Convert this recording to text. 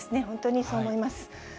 本当にそう思います。